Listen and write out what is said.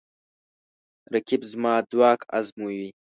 رقیب زما ځواک ازموي